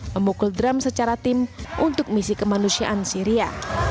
memukul drum secara tim untuk misi kemanusiaan syria